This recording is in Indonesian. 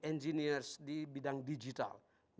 engineers di bidang digital